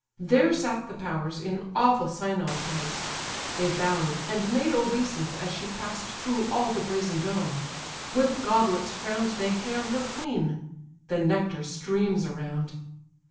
There sat the powers in awful synod placed; They bow'd, and made obeisance as she pass'd Through all the brazen dome: with goblets crown'd They hail her queen; the nectar streams around.